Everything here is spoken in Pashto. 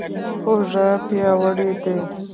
اوږه پیاوړې دي.